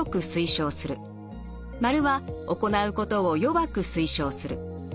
○は行うことを弱く推奨する。